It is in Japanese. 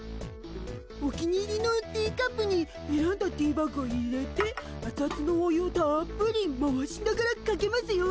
お気に入りのティーカップにえらんだティーバッグを入れてあつあつのお湯をたっぷり回しながらかけますよ。